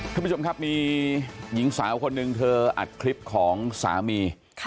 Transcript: ท่านผู้ชมครับมีหญิงสาวคนหนึ่งเธออัดคลิปของสามี